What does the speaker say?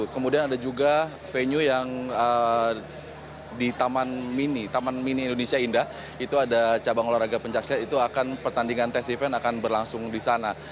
kemudian ada juga venue yang di taman mini taman mini indonesia indah itu ada cabang olahraga pencaksilat itu akan pertandingan tes event akan berlangsung di sana